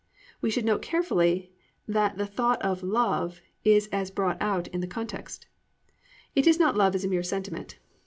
_ We should note carefully what the thought of "love" is as brought out in the context. It is not love as a mere sentiment.